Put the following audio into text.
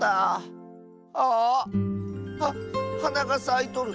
ああっ⁉ははながさいとる！